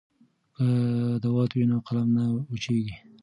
که دوات وي نو قلم نه وچیږي.